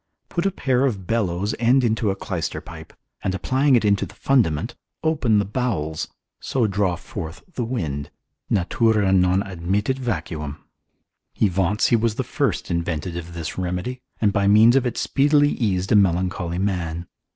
Put a pair of bellows end into a clyster pipe, and applying it into the fundament, open the bowels, so draw forth the wind, natura non admittit vacuum. He vaunts he was the first invented this remedy, and by means of it speedily eased a melancholy man.